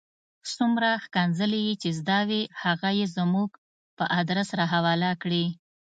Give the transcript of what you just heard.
څومره ښکنځلې چې یې زده وې هغه یې زموږ په آدرس را حواله کړې.